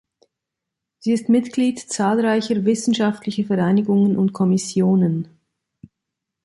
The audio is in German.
Sie ist Mitglied zahlreicher wissenschaftlicher Vereinigungen und Kommissionen.